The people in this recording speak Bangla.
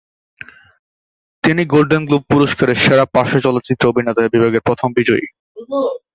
তিনি গোল্ডেন গ্লোব পুরস্কারের সেরা পার্শ্ব চলচ্চিত্র অভিনেতা বিভাগের প্রথম বিজয়ী।